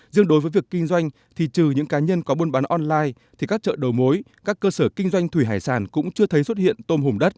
riêng đối với việc kinh doanh thì trừ những cá nhân có buôn bán online thì các chợ đầu mối các cơ sở kinh doanh thủy hải sản cũng chưa thấy xuất hiện tôm hùm đất